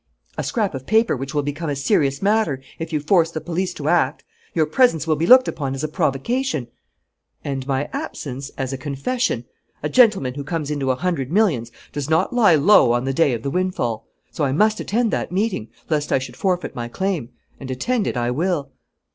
"A scrap of paper which will become a serious matter if you force the police to act. Your presence will be looked upon as a provocation " "And my absence as a confession. A gentleman who comes into a hundred millions does not lie low on the day of the windfall. So I must attend that meeting, lest I should forfeit my claim. And attend it I will."